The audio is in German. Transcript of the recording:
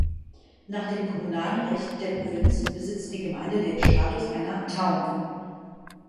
Nach dem kommunalen Recht der Provinz besitzt die Gemeinde den Status einer "Town".